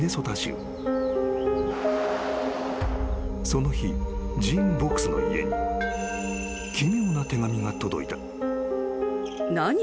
［その日ジーン・ヴォクスの家に奇妙な手紙が届いた］